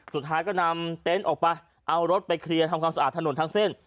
สุดท้ายก็นำเต็นต์ออกไปเอารถไปเคลียร์ทำความสะอาดถนนทั้งเส้น